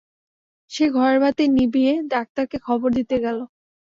সে ঘরের বাতি নিভিয়ে ডাক্তারকে খবর দিতে গেল।